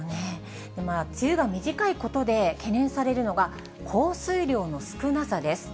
梅雨が短いことで懸念されるのが、降水量の少なさです。